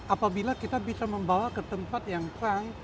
apabila kita bisa membawa ke tempat yang terang